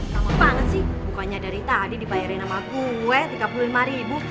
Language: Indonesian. lama banget sih bukannya dari tadi dibayarin sama gue tiga puluh lima ribu